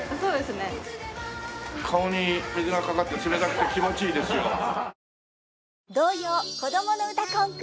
顔に水がかかって冷たくて気持ちいいですけども。